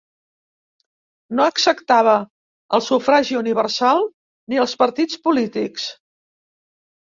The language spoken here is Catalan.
No acceptava el sufragi universal, ni els partits polítics.